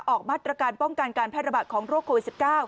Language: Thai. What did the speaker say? ออกมาตรการป้องกันการแพร่ระบาดของโรคโควิด๑๙